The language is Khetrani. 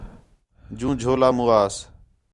جُوں جھولا مُو آس